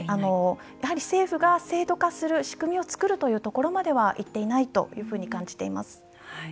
やはり政府が制度化する仕組みを作るというところまではいっていないと感じています。